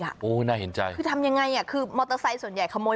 คือคือทำยังไงคือมอเตอร์ไซค์ส่วนใหญ่